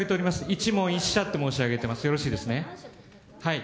１問１社と申し上げております、よろしいですね。